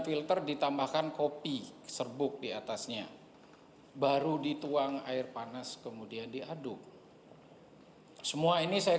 filter ditambahkan kopi serbuk diatasnya baru dituang air panas kemudian diaduk semua ini saya